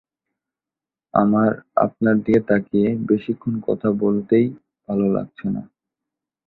আমার আপনার দিকে তাকিয়ে বেশিক্ষণ কথা বলতেই ভালো লাগছে না।